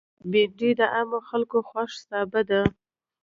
بېنډۍ د عامو خلکو خوښ سابه ده